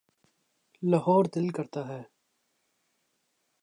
لاہور دل کرتا ہے۔